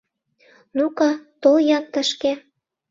Ну-ка, тол-ян тышке!